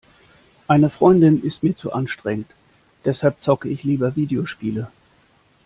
Eine Freundin ist mir zu anstrengend, deshalb zocke ich lieber Videospiele.